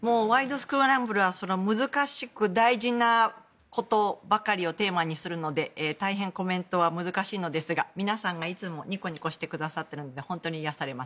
スクランブル」は難しく、大事なことばかりをテーマにするので大変コメントは難しいのですが皆さんがいつもにこにこしてくださっているので本当に癒やされます。